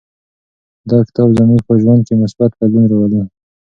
دا کتاب زموږ په ژوند کې مثبت بدلون راولي.